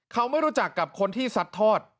เขาไม่รู้จักกับคนที่ซัดทอด